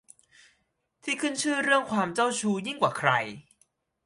ที่ขึ้นชื่อเรื่องความเจ้าชู้ยิ่งกว่าใคร